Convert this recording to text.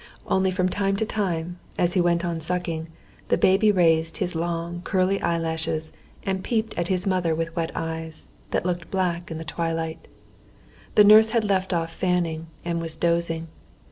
Only from time to time, as he went on sucking, the baby raised his long, curly eyelashes and peeped at his mother with wet eyes, that looked black in the twilight. The nurse had left off fanning, and was dozing.